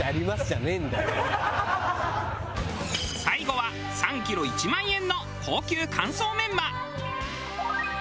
最後は３キロ１万円の高級乾燥メンマ。